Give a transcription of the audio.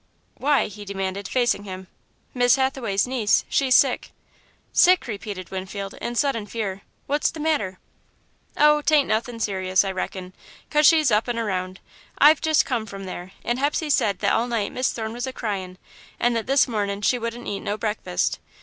"Why?" he demanded, facing him. "Miss Hathaway's niece, she's sick." "Sick!" repeated Winfield, in sudden fear, "what's the matter!" "Oh, 't ain't nothin' serious, I reckon, cause she's up and around. I've just come from there, and Hepsey said that all night Miss Thorne was a cryin', and that this mornin' she wouldn't eat no breakfast.